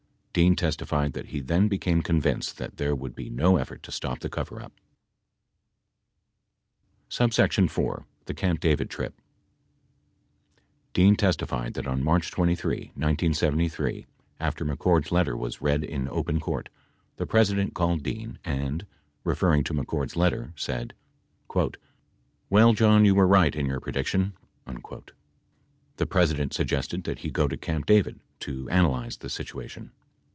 Dean testified that he then became convinced that there would no effort to stop the coverup. 64 4. THE CAMP DAVID TRIP Dean testified that on March 23, 1973, after McCord's letter was read in open court, the President called Dean and, referring to McCord's letter, said: "Well, John, you were right in your prediction." 65 The President suggested that he go to Camp David to analyze the situation.